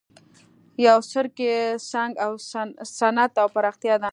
یو څرک یې صنعت او پراختیا ده.